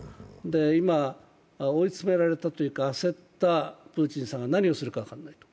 今、追い詰められたというか焦ったプーチンさんが何をするか分からない。